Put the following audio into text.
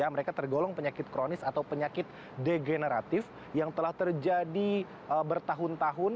mereka tergolong penyakit kronis atau penyakit degeneratif yang telah terjadi bertahun tahun